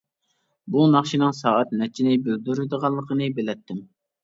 بۇ ناخشىنىڭ سائەت نەچچىنى بىلدۈرىدىغانلىقىنى بىلەتتىم.